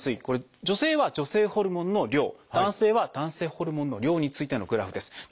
これ女性は女性ホルモンの量男性は男性ホルモンの量についてのグラフです。